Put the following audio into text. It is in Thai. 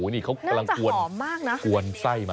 อ๋อนี่เขากำลังกวนไส้มันนั่นจะหอมมากนะ